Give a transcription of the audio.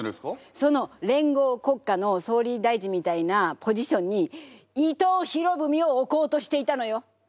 その連合国家の総理大臣みたいなポジションに伊藤博文を置こうとしていたのよ。